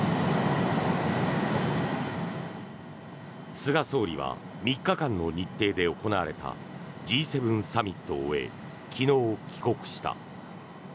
菅総理は３日間の日程で行われたＧ７サミットを終え昨日、帰国した。